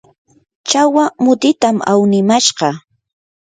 chawa mutitam awnimashqa.